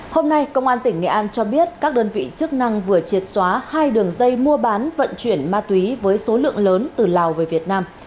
hôm nay công an tỉnh nghệ an cho biết các đơn vị chức năng vừa triệt xóa hai đường dây mua bán vận chuyển ma túy với số lượng lớn từ lào về việt nam